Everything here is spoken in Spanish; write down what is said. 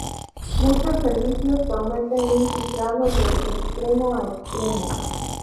Muchos servicios prometen un cifrado "de extremo a extremo"